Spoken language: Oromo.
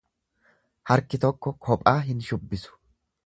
Harki tokko qophaa hin shubbisu.